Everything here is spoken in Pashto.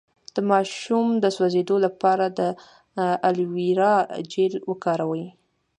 د ماشوم د سوځیدو لپاره د الوویرا جیل وکاروئ